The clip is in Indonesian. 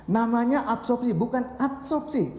namanya absorpsi bukan absorpsi